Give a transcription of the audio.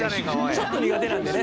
「ちょっと苦手なんでね。